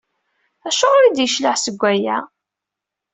Acuɣer i d-yecleɛ seg waya?